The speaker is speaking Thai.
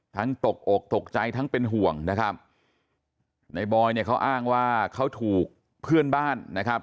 ตกอกตกใจทั้งเป็นห่วงนะครับในบอยเนี่ยเขาอ้างว่าเขาถูกเพื่อนบ้านนะครับ